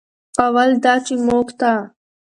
اول دا چې موږ ته